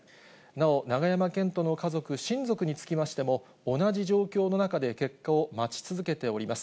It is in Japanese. なお、永山絢斗の家族、親族につきましても、同じ状況の中で結果を待ち続けております。